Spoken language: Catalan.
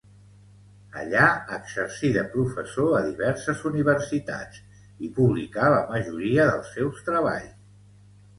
Allà exercí de professor a diverses universitats i publicà la majoria dels seus treballs.